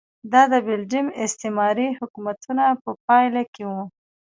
دا د بلجیم استعماري حکومتونو په پایله کې و.